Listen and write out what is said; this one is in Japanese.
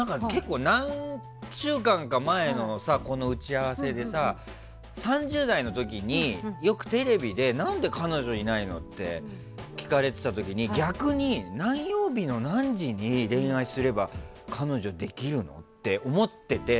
何週間か前のこの打ち合わせでさ３０代の時に、よくテレビでなんで彼女いないの？って聞かれてた時に逆に何曜日の何時に恋愛すれば彼女できるの？って思ってて。